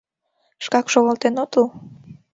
— Шкак шогалтен отыл?